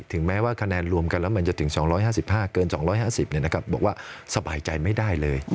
แม้ว่าคะแนนรวมกันแล้วมันจะถึง๒๕๕เกิน๒๕๐บอกว่าสบายใจไม่ได้เลย